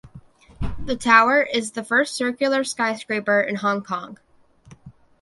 The tower is the first circular skyscraper in Hong Kong.